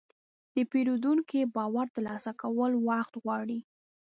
د پیرودونکي باور ترلاسه کول وخت غواړي.